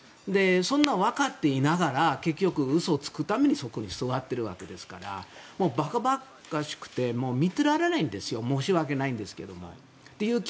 そんなに分かっていながら結局、嘘をつくためにそこに座っているわけですからばかばかしくて見ていられないんですよ申し訳ないんですけども。